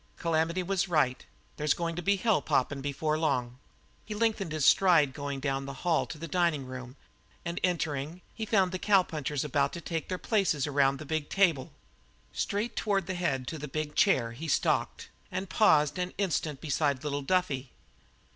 Calamity was right; there's going to be hell poppin' before long." He lengthened his stride going down the long hall to the dining room, and entering, he found the cowpunchers about to take their places around the big table. Straight toward the head to the big chair he stalked, and paused an instant beside little Duffy.